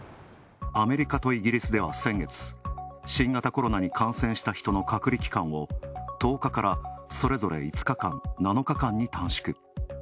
アメリカとイギリスでは先月、新型コロナに感染した人の隔離期間を１０日間から、それそれ５日間・７日間に短縮。